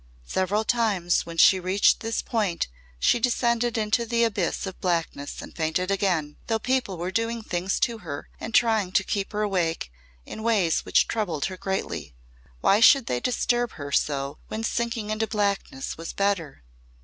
Several times when she reached this point she descended into the abyss of blackness and fainted again, though people were doing things to her and trying to keep her awake in ways which troubled her greatly. Why should they disturb her so when sinking into blackness was better?